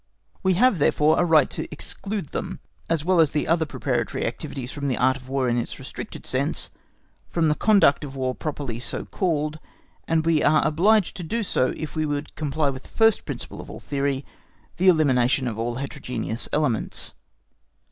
We have therefore a right to exclude them as well as the other preparatory activities from the Art of War in its restricted sense, from the conduct of War properly so called; and we are obliged to do so if we would comply with the first principle of all theory, the elimination of all heterogeneous elements.